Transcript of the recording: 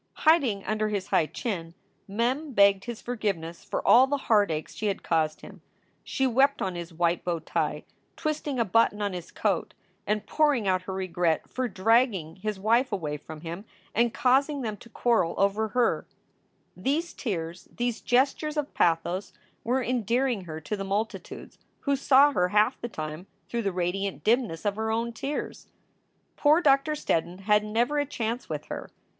Hiding under his high chin, Mem begged his forgiveness for all the heartaches she had caused him. She wept on his white bow tie, twisting a button on his coat and pouring out her regret for dragging his wife away from him and causing them to quarrel over her. SOULS FOR SALE 393 These tears, these gestures of pathos, were endearing her to the multitudes, who saw her half the time through the radiant dimness of their own tears. Poor Doctor Steddon had never a chance with her.